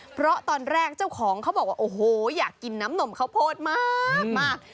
เพราะตอนแรกเจ้าของเขาบอกว่าโอ้โหอยากกินน้ำนมข้าวโพดมาก